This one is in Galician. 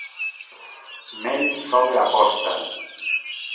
Mel sobe a aposta.